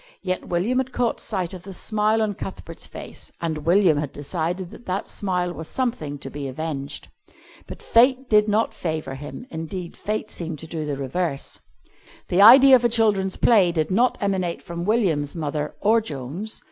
Yet William had caught sight of the smile on Cuthbert's face and William had decided that that smile was something to be avenged. But fate did not favour him. Indeed, fate seemed to do the reverse. The idea of a children's play did not emanate from William's mother, or Joan's.